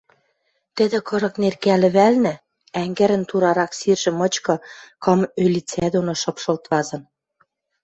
Тӹдӹ кырык неркӓ лӹвӓлнӹ, ӓнгӹрӹн турарак сиржӹ мычкы кым ӧлицӓ доно шыпшылт вазын.